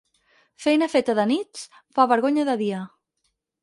Feina feta de nits, fa vergonya de dia.